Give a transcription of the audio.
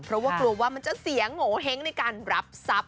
เพราะว่ากลัวว่ามันจะเสียงโงเห้งในการรับทรัพย